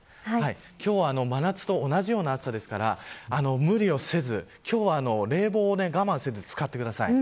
今日は真夏と同じような暑さですから無理をせず冷房を我慢せず使ってください。